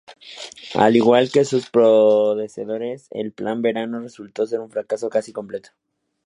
Al igual que sus predecesores, el Plan Verano resultó ser un fracaso casi completo.